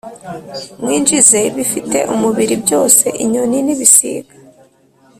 mwinjize ibifite umubiri byose inyoni n ibisiga